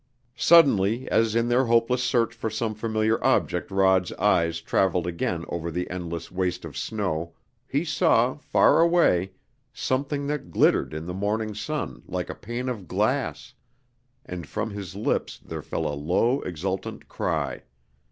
Suddenly, as in their hopeless search for some familiar object Rod's eyes traveled again over the endless waste of snow, he saw, far away, something that glittered in the morning sun like a pane of glass, and from his lips there fell a low exultant cry.